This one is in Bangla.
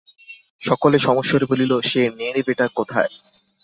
সকলে সমস্বরে বলিল, সে নেড়ে বেটা কোথায়।